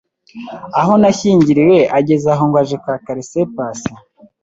aho nashyingiriwe ageze aho ngo aje kwaka laissez-passer